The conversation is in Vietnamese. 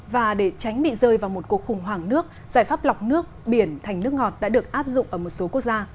và để tránh bị rơi vào một cuộc khủng hoảng nước giải pháp lọc nước biển thành nước ngọt đã được áp dụng ở một số quốc gia